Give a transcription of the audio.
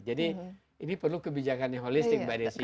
jadi ini perlu kebijakan yang holistik pak desi ya